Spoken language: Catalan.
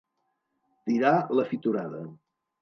Tirar la fitorada.